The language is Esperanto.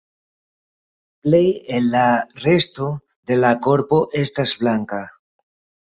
Plej el la resto de la korpo estas blanka.